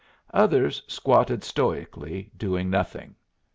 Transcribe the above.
Others squatted stoically, doing nothing.